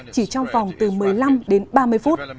chỉ trong vòng từ một mươi năm đến ba mươi phút